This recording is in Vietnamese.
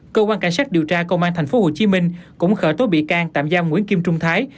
cơ quan cảnh sát điều tra công an tp hcm cũng khởi tố bị can tạm giam nguyễn kim trung thái